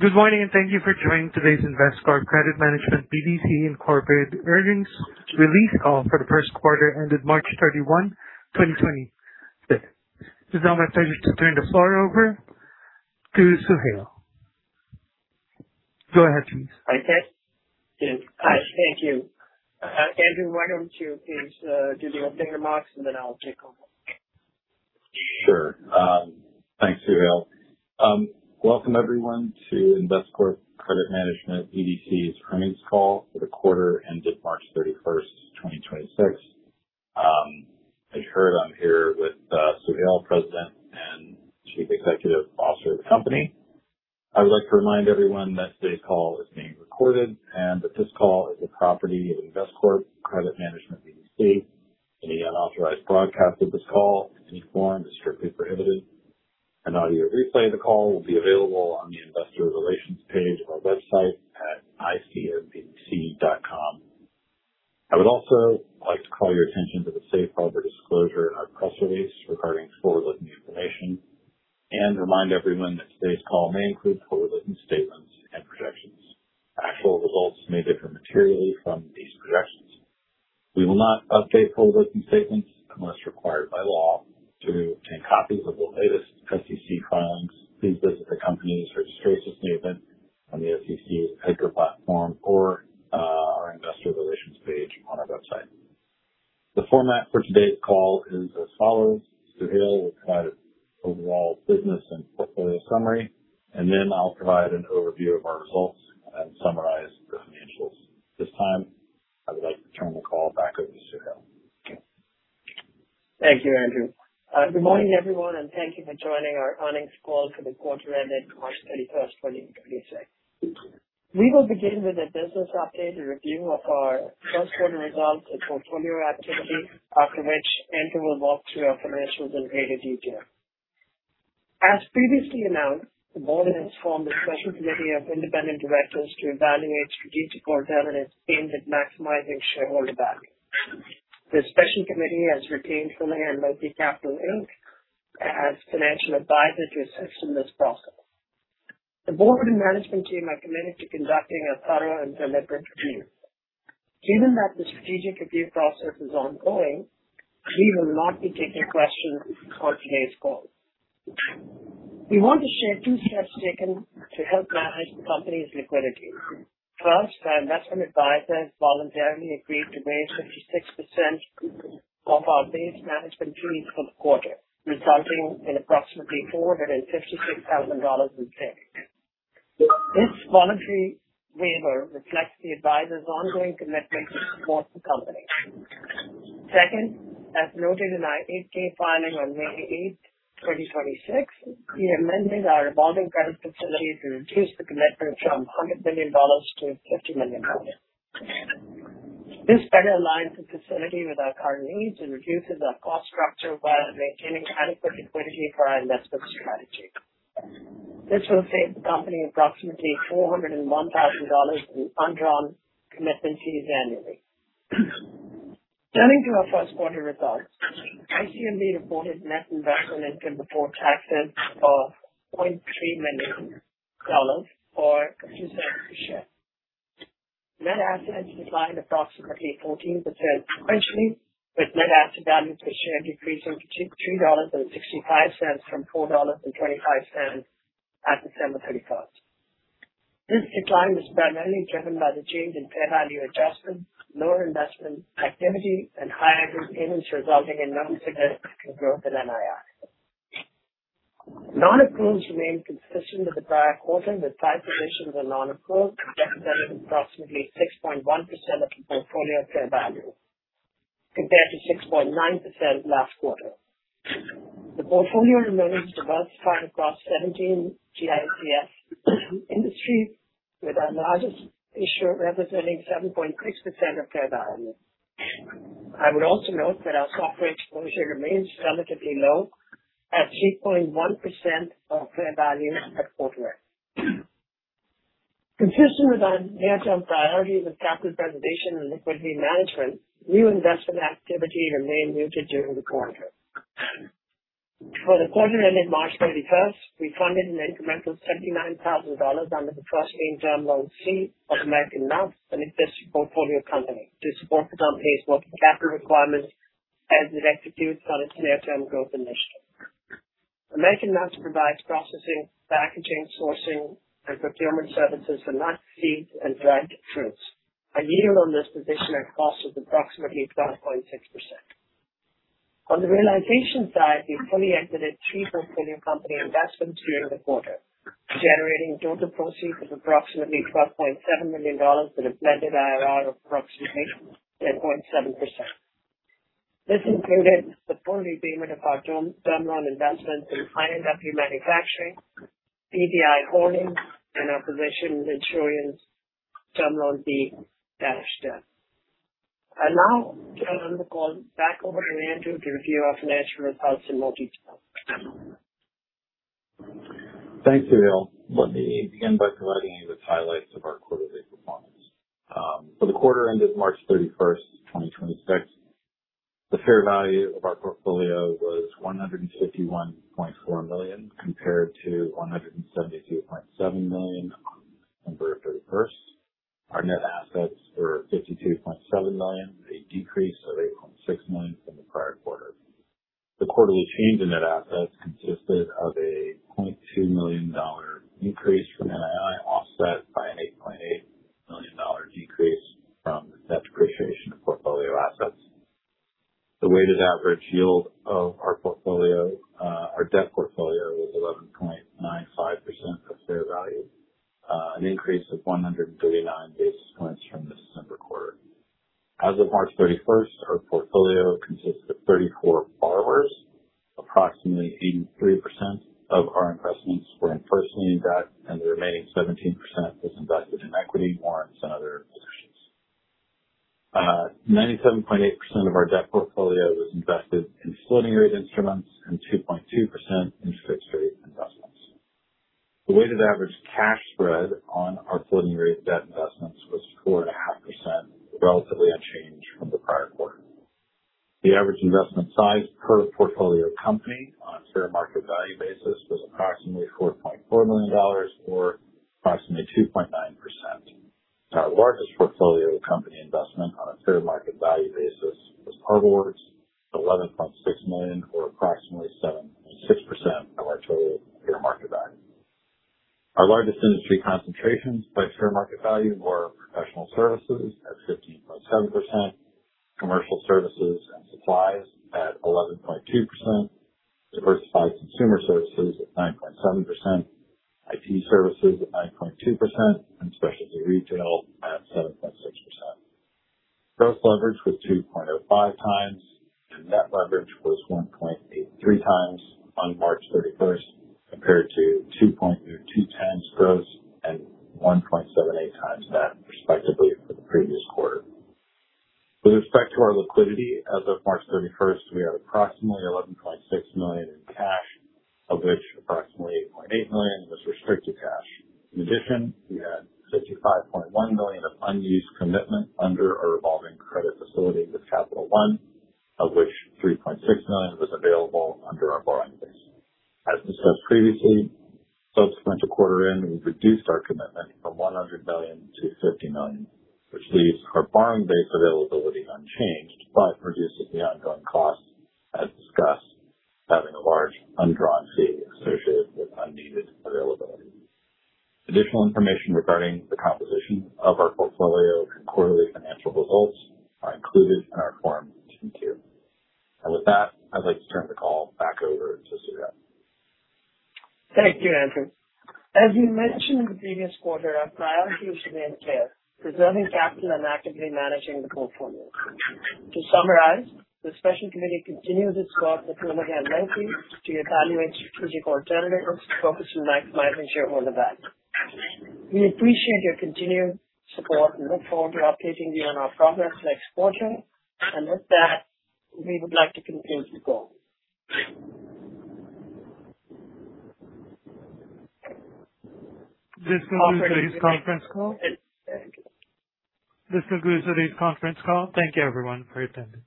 Good morning, thank you for joining today's Investcorp Credit Management BDC, Inc earnings release call for the first quarter ended March 31, 2026. It is now my pleasure to turn the floor over to Suhail. Go ahead, please. Okay. Yes. Thank you. Andrew, why don't you please do the opening remarks, and then I'll take over. Sure. Thanks, Suhail. Welcome everyone to Investcorp Credit Management BDC's earnings call for the quarter ended March 31st, 2026. As you heard, I'm here with Suhail, President and Chief Executive Officer of the company. I would like to remind everyone that today's call is being recorded and that this call is a property of Investcorp Credit Management BDC. Any unauthorized broadcast of this call in any form is strictly prohibited. An audio replay of the call will be available on the investor relations page of our website at icmbdc.com. I would also like to call your attention to the safe harbor disclosure in our press release regarding forward-looking information and remind everyone that today's call may include forward-looking statements and projections. Actual results may differ materially from these projections. We will not update forward-looking statements unless required by law. To obtain copies of the latest SEC filings, please visit the company's registration statement on the SEC EDGAR platform or our investor relations page on our website. The format for today's call is as follows: Suhail will provide an overall business and portfolio summary, and then I'll provide an overview of our results and summarize the financials. At this time, I would like to turn the call back over to Suhail. Thank you, Andrew. Good morning, everyone, and thank you for joining our earnings call for the quarter ended March 31, 2026. We will begin with a business update and review of our first quarter results and portfolio activity. After which Andrew will walk through our financials in greater detail. As previously announced, the board has formed a special committee of independent directors to evaluate strategic alternatives aimed at maximizing shareholder value. The special committee has retained Fulcrum Multi-Capital Inc as financial advisor to assist in this process. The board and management team are committed to conducting a thorough and deliberate review. Given that the strategic review process is ongoing, we will not be taking questions on today's call. We want to share two steps taken to help manage the company's liquidity. Our investment advisors voluntarily agreed to waive 56% of our base management fees for the quarter, resulting in approximately $456,000 in savings. This voluntary waiver reflects the advisor's ongoing commitment to support the company. As noted in our 8-K filing on May 8, 2026, we amended our revolving credit facility to reduce the commitment from $100 million to $50 million. This better aligns the facility with our current needs and reduces our cost structure while maintaining adequate liquidity for our investment strategy. This will save the company approximately $401,000 in undrawn commitment fees annually. Turning to our first quarter results, ICMB reported net investment income before taxes of $0.3 million or $0.02 per share. Net assets declined approximately 14% sequentially, with net asset value per share decreasing to $2.65 from $4.25 at December 31st. This decline was primarily driven by the change in fair value adjustment, lower investment activity, and higher dividends resulting in non-significant growth in NII. Non-accruals remained consistent with the prior quarter, with five positions on non-accruals representing approximately 6.1% of the portfolio fair value compared to 6.9% last quarter. The portfolio remains diversified across 17 GICS industries, with our largest issuer representing 7.6% of fair value. I would also note that our software exposure remains relatively low at 3.1% of fair value at quarter end. Consistent with our hands-on priorities of capital preservation and liquidity management, new investment activity remained muted during the quarter. For the quarter ended March 31st, we funded an incremental $79,000 under the first term loan C of American Nuts, an existing portfolio company, to support the company's working capital requirements as it executes on its near-term growth initiative. American Nuts provides processing, packaging, sourcing, and procurement services for nut seeds and dried fruits. A yield on this position at cost is approximately 12.6%. On the realization side, we fully exited three portfolio company investments during the quarter, generating total proceeds of approximately $12.7 million with a blended IRR of approximately 10.7%. This included the full repayment of our term loan investment in high-end luxury manufacturing, BBI Holdings, and our position with Insurance Term Loan B debt. I'll now turn the call back over to Andrew to review our financial results in more detail. Thanks, Suhail. Let me begin by providing you with highlights of our quarterly performance. For the quarter ended March 31st, 2026. The fair value of our portfolio was $151.4 million, compared to $172.7 million on December 31st. Our net assets were $52.7 million, a decrease of $8.6 million from the prior quarter. The quarterly change in net assets consisted of a $0.2 million increase from NII, offset by an $8.8 million decrease from net depreciation of portfolio assets. The weighted average yield of our portfolio, our debt portfolio was 11.95% of fair value, an increase of 139 basis points from the December quarter. As of March 31st, our portfolio consists of 34 borrowers. Approximately 83% of our investments were in first lien debt, the remaining 17% was invested in equity, warrants, and other positions. 97.8% of our debt portfolio was invested in floating rate instruments and 2.2% in fixed rate investments. The weighted average cash spread on our floating rate debt investments was 4.5%, relatively unchanged from the prior quarter. The average investment size per portfolio company on a fair market value basis was approximately $4.4 million or approximately 2.9%. Our largest portfolio company investment on a fair market value basis was ArborWorks, $11.6 million or approximately 7.6% of our total fair market value. Our largest industry concentrations by fair market value were professional services at 15.7%, commercial services and supplies at 11.2%, diversified consumer services at 9.7%, IT services at 9.2%, and specialty retail at 7.6%. Gross leverage was 2.05x, and net leverage was 1.83x on March 31st, compared to 2.02x gross and 1.78x net, respectively, for the previous quarter. With respect to our liquidity, as of March 31st, we had approximately $11.6 million in cash, of which approximately $8.8 million was restricted cash. In addition, we had $65.1 million of unused commitment under our revolving credit facility with Capital One, of which $3.6 million was available under our borrowing base. As discussed previously, subsequent to quarter end, we've reduced our commitment from $100 million to $50 million, which leaves our borrowing base availability unchanged but reduces the ongoing costs as discussed, having a large undrawn fee associated with unneeded availability. Additional information regarding the composition of our portfolio and quarterly financial results are included in our Form 10-Q. With that, I'd like to turn the call back over to Suhail. Thank you, Andrew. As we mentioned in the previous quarter, our priority remains clear: preserving capital and actively managing the portfolio. To summarize, the special committee continues its to evaluate strategic alternatives to focus on maximizing shareholder value. We appreciate your continued support and look forward to updating you on our progress next quarter. With that, we would like to conclude the call. This concludes today's conference call. Thank you everyone for attending.